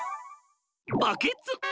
バケツ！